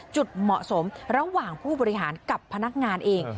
จุดเหมาะสมระหว่างผู้บริหารกับพนักงานเอง